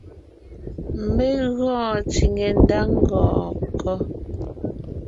Mé gɔɔn tsìŋe ndá ngɔɔn kɔ́?